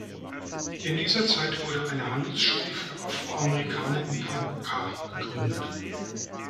In dieser Zeit wurde eine Handelsschule für Afroamerikaner in Paducah gegründet.